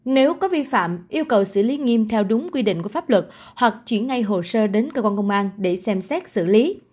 nếu có vi phạm yêu cầu xử lý nghiêm theo đúng quy định của pháp luật hoặc chỉ ngay hồ sơ đến cơ quan công an để xem xét xử lý